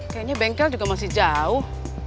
kayaknya bengkel juga masih jauh